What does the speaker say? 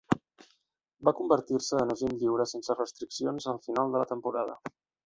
Va convertir-se en agent lliure sense restriccions al final de la temporada.